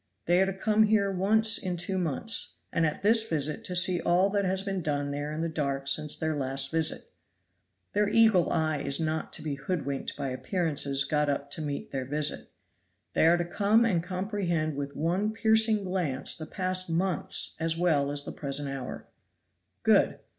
They are to come here once in two months, and at this visit to see all that has been done there in the dark since their last visit. Their eagle eye is not to be hoodwinked by appearances got up to meet their visit. They are to come and comprehend with one piercing glance the past months as well as the present hour. Good.